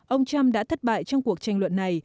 ông trump đã thất bại trong cuộc tranh luận này